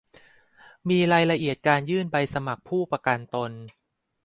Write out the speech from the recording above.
มีรายละเอียดการยื่นใบสมัครผู้ประกันตน